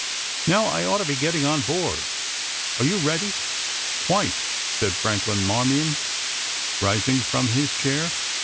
Now, I ought to be getting on board. Are you ready?" "Quite," said Franklin Marmion, rising from his chair.